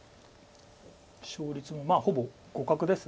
勝率もほぼ互角です。